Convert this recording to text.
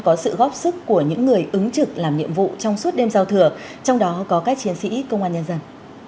ốc sức của những người ứng trực làm nhiệm vụ trong suốt đêm giao thừa trong đó có các chiến sĩ công an nhân dân